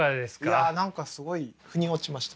いや何かすごいふに落ちました。